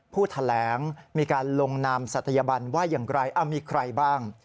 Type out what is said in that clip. ผู้แถลงมีการลงนามศัตยบันว่าอย่างไรมีใครบ้าง